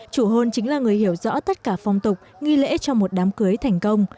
chủ hơn chính là người hiểu rõ tất cả phong tục nghi lễ cho một đám cưới thành công